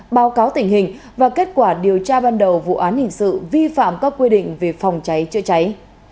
báo cáo tình hình và kết quả điều tra ban đầu vụ án hình sự vi phạm các quy định về phòng cháy chữa cháy